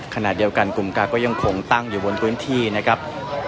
การประตูกรมทหารที่สิบเอ็ดเป็นภาพสดขนาดนี้นะครับ